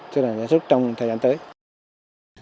đã và đang được ngành nông nghiệp phối hợp với người dân thực hiện tốt